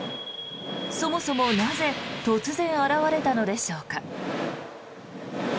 そもそもなぜ突然、現れたのでしょうか。